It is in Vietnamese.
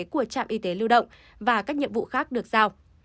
của trạm y tế lưu động và các nhiệm vụ khác được giao